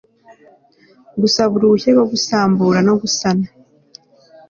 gusaba uruhushya rwo gusambura no gusana